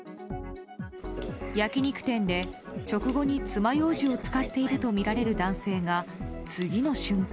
焼き肉店で、食後につまようじを使っているとみられる男性が次の瞬間。